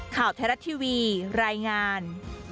ข่าวแทรศทีวีรายงาน